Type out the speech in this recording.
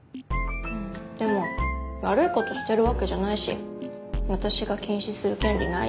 でも悪いことしてるわけじゃないし私が禁止する権利ないよ。